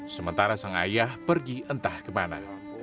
sementara sang ayah pergi entah kemana